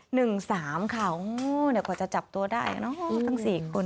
โหเดี๋ยวควรจะจับตัวได้เนอะทั้งสี่คน